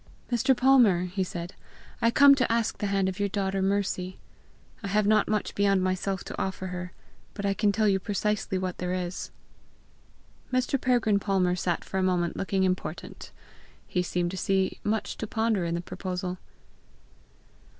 "Mr. Palmer," he said, "I come to ask the hand of your daughter Mercy. I have not much beyond myself to offer her, but I can tell you precisely what there is." Mr. Peregrine Palmer sat for a moment looking important. He seemed to see much to ponder in the proposal.